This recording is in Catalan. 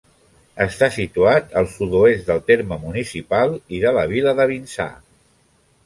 Està situat al sud-oest del terme municipal i de la vila de Vinçà.